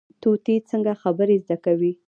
طوطي څنګه خبرې زده کوي؟